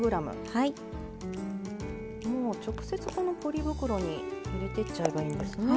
もう直接このポリ袋に入れていっちゃえばいいんですね。